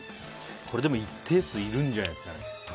これ、でも一定数いるんじゃないですかね。